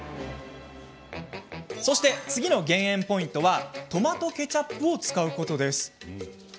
そして次の減塩ポイントはトマトケチャップを使うこと。